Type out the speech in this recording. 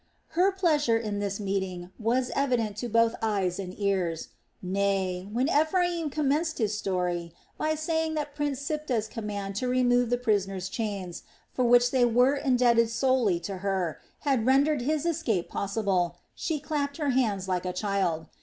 Her pleasure in this meeting was evident to both eyes and ears; nay, when Ephraim commenced his story by saying that Prince Siptah's command to remove the prisoners' chains, for which they were indebted solely to her, had rendered his escape possible, she clapped her hands like a child.